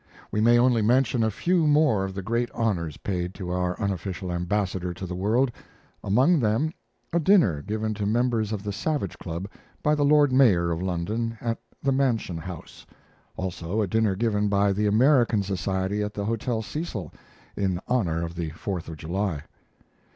We may only mention a few more of the great honors paid to our unofficial ambassador to the world: among them a dinner given to members of the Savage Club by the Lord Mayor of London at the Mansion House, also a dinner given by the American Society at the Hotel Cecil in honor of the Fourth of July.